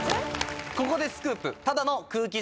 ここでスクープ。